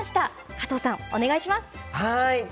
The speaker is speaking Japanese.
加藤さん、お願いします。